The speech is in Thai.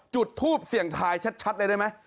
จุดทูปเสี่ยงทายชัดเลยได้ไหม